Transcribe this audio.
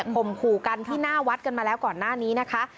มขู่กันที่หน้าวัดกันมาแล้วก่อนหน้านี้นะคะ